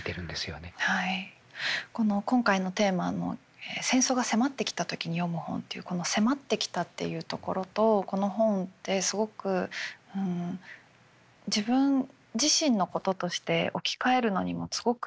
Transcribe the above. この今回のテーマの「戦争が迫ってきた時に読む本」っていうこの「迫ってきた」っていうところとこの本ってすごく自分自身のこととして置き換えるのにもすごくいい本だなって思って。